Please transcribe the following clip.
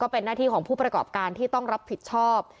เป็นหน้าที่ของผู้ประกอบการที่ต้องรับผิดชอบ